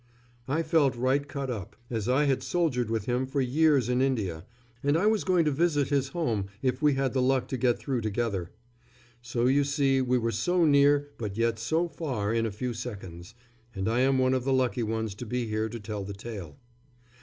I felt right cut up, as I had soldiered with him for years in India, and I was going to visit his home if we had the luck to get through together. So you see we were so near but yet so far in a few seconds, and I am one of the lucky ones to be here to tell the tale.